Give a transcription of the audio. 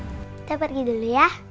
kita pergi dulu ya